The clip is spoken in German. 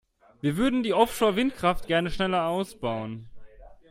Wir würden die Offshore-Windkraft gerne schneller ausbauen.